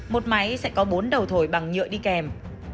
một máy sẽ có bốn đầu thổi bằng nhựa đi kèm